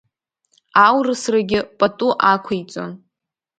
Аурысрагьы пату ақәиҵон.